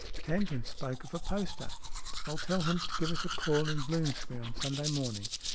Tangent spoke of a poster. I'll tell him to give us a call in Bloomsbury on Sunday morning."